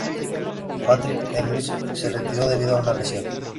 Patrick Smith se retiró debido a una lesión.